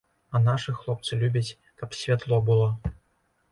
А нашы хлопцы любяць, каб святло было.